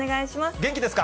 元気ですか？